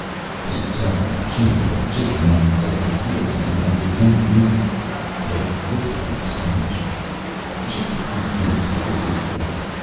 He tugged on the chain, but Jason only dug his heels in and did not move. They looked at him, astonished. "Just a few things before we go.